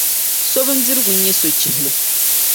So bindirigu n-nyɛ so chihili.